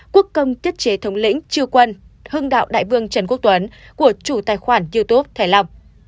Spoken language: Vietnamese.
quốc công tiết chế thống lĩnh triều quân hưng đạo đại vương trần quốc tuấn của chủ tài khoản youtube thầy long